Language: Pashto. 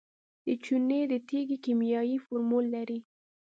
د چونې د تیږې کیمیاوي فورمول لري.